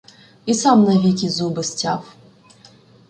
І сам навіки зуби стяв.